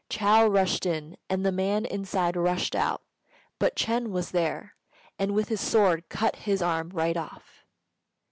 Chou rushed in, and the man inside rushed out; but Ch'êng was there, and with his sword cut his arm right off.